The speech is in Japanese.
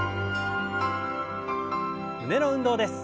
胸の運動です。